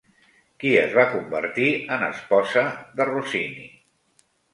Qui es va convertir en esposa de Rossini?